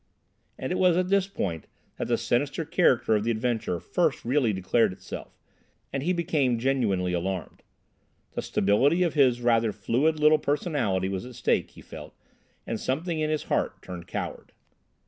And it was at this point that the sinister character of the adventure first really declared itself, and he became genuinely alarmed. The stability of his rather fluid little personality was at stake, he felt, and something in his heart turned coward.